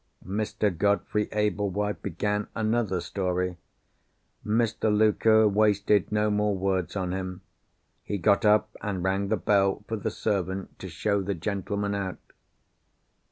Mr. Godfrey Ablewhite began another story. Mr. Luker wasted no more words on him. He got up, and rang the bell for the servant to show the gentleman out.